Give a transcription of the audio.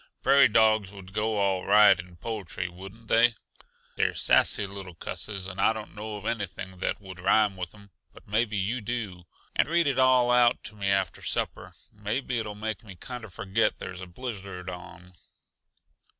(Prairie dogs would go all right in poetry, wouldn't they? They're sassy little cusses, and I don't know of anything that would rhyme with 'em, but maybe you do.) And read it all out to me after supper. Maybe it'll make me kinda forget there's a blizzard on."